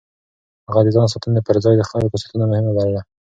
هغه د ځان ساتنې پر ځای د خلکو ساتنه مهمه بلله.